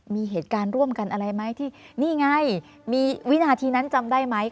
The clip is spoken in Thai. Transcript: มีเหตุการณ์ร่วมกันอะไรไหมที่นี่ไงมีวินาทีนั้นจำได้ไหม